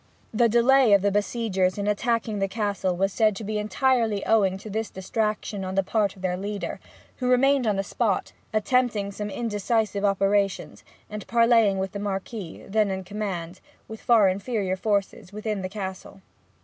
The delay of the besiegers in attacking the Castle was said to be entirely owing to this distraction on the part of their leader, who remained on the spot attempting some indecisive operations, and parleying with the Marquis, then in command, with far inferior forces, within the Castle.